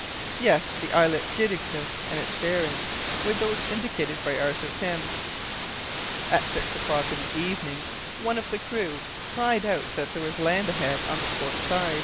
Yes! the islet did exist, and its bearings were those indicated by Arthur Pym. At six o'clock in the evening one of the crew cried out that there was land ahead on the port side.